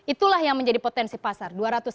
itulah yang menjadi potensi pasar